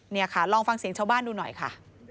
นี่ค่ะลองฟังเสียงชาวบ้านดูหน่อยค่ะ